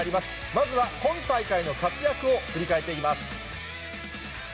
まずは、今大会の活躍を振り返っていきます。